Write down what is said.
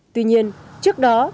tuy nhiên trước đó